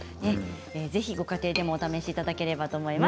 ぜひ、ご家庭でもお試しいただければと思います。